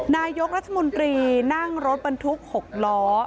นายกรัฐมนตรีนั่งรถบรรทุก๖ล้อ